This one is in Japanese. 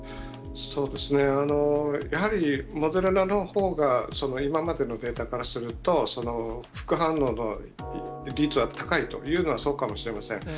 そうですね、やはりモデルナのほうが、今までのデータからすると、副反応の率は高いというのは、そうかもしれません。